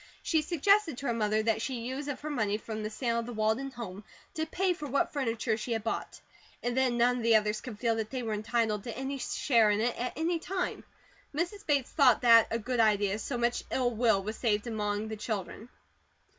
She suggested to her mother that she use her money from the sale of the Walden home to pay for what furniture she had bought, and then none of the others could feel that they were entitled to any share in it, at any time. Mrs. Bates thought that a good idea, so much ill will was saved among the children.